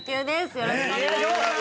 よろしくお願いします